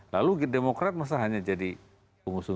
lalu demokrat masa hanya jadi pengusung